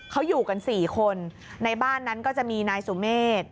เขาอยู่กัน๔คนในบ้านนั้นก็จะมีนายสุเมฆ